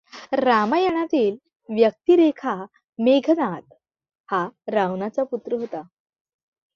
रामायणातील व्यक्तिरेखामेघनाद हा रावणाचा पुत्र होता.